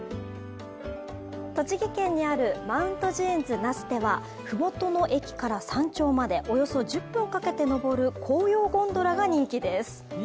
栃木県にあるマウントジーンズ那須では麓の駅から山頂までおよそ１０分かけて登る紅葉ゴンドラが人気です。